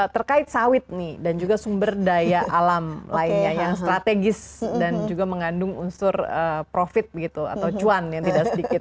terkait sawit nih dan juga sumber daya alam lainnya yang strategis dan juga mengandung unsur profit begitu atau cuan yang tidak sedikit